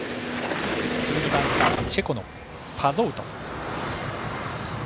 １２番スタートチェコのパゾウト。